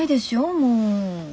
もう。